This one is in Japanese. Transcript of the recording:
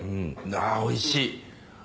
あおいしい。